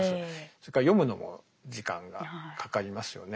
それから読むのも時間がかかりますよね。